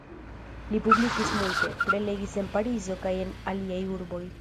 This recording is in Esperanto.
Li publikis multe, prelegis en Parizo kaj en aliaj urboj.